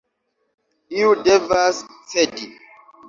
Iu devas cedi.